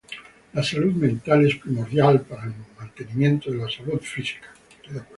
La salud mental es primordial para el mantenimiento de la salud física